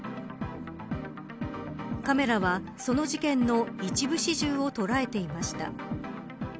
カメラはその事件の一部始終を捉えていました。